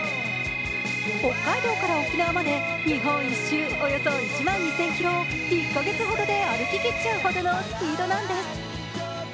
北海道から沖縄まで、日本１周およそ１万２０００ｋｍを１カ月ほどで歩き切っちゃうほどのスピードなんです。